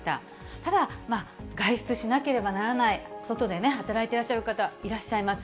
ただ、外出しなければならない、外で働いてらっしゃる方いらっしゃいます。